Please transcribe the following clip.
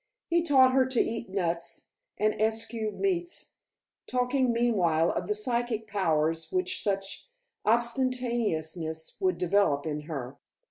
He taught her to eat nuts, and eschew meats, talking meanwhile of the psychic powers which such abstemiousness would develop in her.